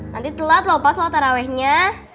nanti telat lompat selotar awihnya